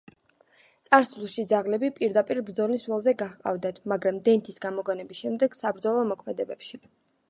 წარსულში ძაღლები პირდაპირ ბრძოლის ველზე გაჰყავდათ, მაგრამ დენთის გამოგონების შემდეგ საბრძოლო მოქმედებებში აღარ მონაწილეობდნენ.